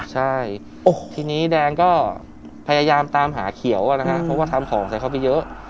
ใช่ทีนี้แดงก็พยายามตามหาเขียวนะฮะเพราะว่าทำของใส่เข้าไปเยอะ